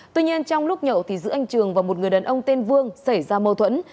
tuy nhiên trong lúc nhậu thì giữa anh trường và một người đàn ông tên vương xảy ra mâu thuẫn